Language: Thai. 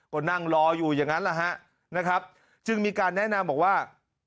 ก็นั่งรออยู่อย่างนั้นแหละฮะนะครับจึงมีการแนะนำบอกว่า